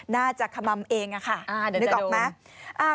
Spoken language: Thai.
น่าจะขมัมเองอะค่ะเดี๋ยวจะโดน